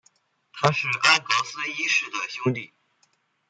他是安格斯一世的兄弟。